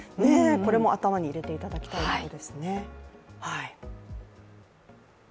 これも頭に入れておいていただきたいことですね。